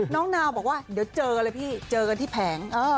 น้องนาวบอกว่าเจอกันที่แผง